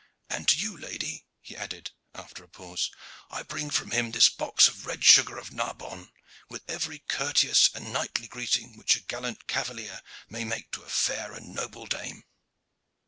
And to you, Lady," he added after a pause, "I bring from him this box of red sugar of Narbonne, with every courteous and knightly greeting which a gallant cavalier may make to a fair and noble dame."